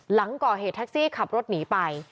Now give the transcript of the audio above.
หลังก่อเหตุแท็กซี่ขับรถหนีไป